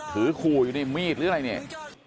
ถือขู่อยู่ในมีดหรืออะไรเนี่ย